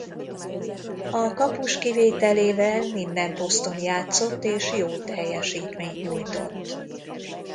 A kapus kivételével minden poszton játszott és jó teljesítményt nyújtott.